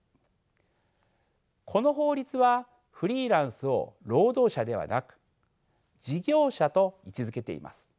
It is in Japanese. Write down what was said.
この法律はフリーランスを労働者ではなく事業者と位置づけています。